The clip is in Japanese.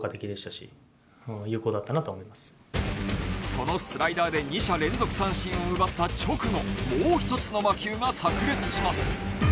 そのスライダーで２者連続三振を奪った直後もう一つの魔球が炸裂します。